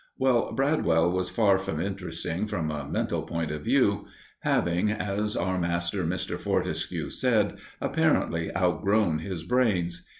Well, Bradwell was far from interesting from a mental point of view, having, as our master, Mr. Fortescue, said, apparently outgrown his brains.